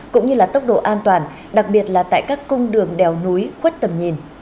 cũng như tốc độ an toàn đặc biệt là tại các công đường đèo núi khuất tầm nhìn